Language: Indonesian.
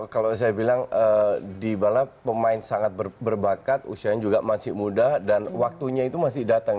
kalau saya bilang dybala pemain sangat berbakat usianya juga masih muda dan waktunya itu masih datang